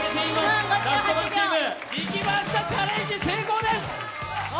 いきました、チャレンジ成功です。